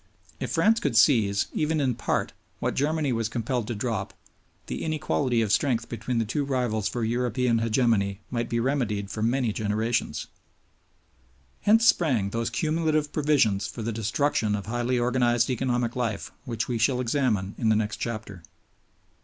If France could seize, even in part, what Germany was compelled to drop, the inequality of strength between the two rivals for European hegemony might be remedied for many generations. Hence sprang those cumulative provisions for the destruction of highly organized economic life which we shall examine in the next chapter.